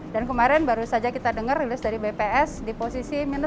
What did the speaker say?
dan kemarin baru saja kita dengar rilis dari bps di posisi minus tiga delapan